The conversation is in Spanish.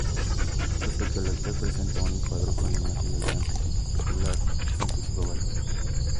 Respecto al altar presenta un cuadro con la imagen del santo titular, san Cristóbal.